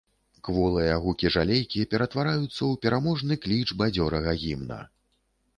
Кволыя гукі жалейкі ператвараюцца ў пераможны кліч бадзёрага гімна.